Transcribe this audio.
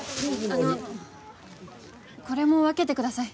あのこれも分けてください